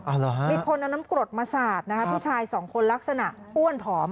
มีคนเอาน้ำกรดมาสาดผู้ชายสองคนลักษณะอ้วนถอม